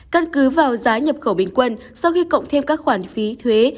căn cứ vào giá nhập khẩu bình quân sau khi cộng thêm các khoản phí thuế